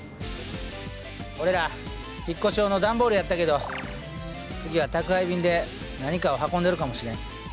俺ら引っ越し用のダンボールやったけど次は宅配便で何かを運んでるかもしれん。